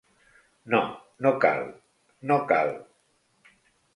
No, no cal, no cal.